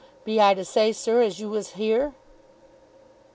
Be I to say, sir, as you was here?"